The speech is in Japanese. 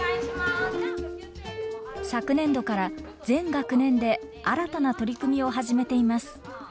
昨年度から全学年で新たな取り組みを始めています。